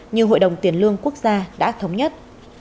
như hội đồng tiền lương quốc gia đã thống nhất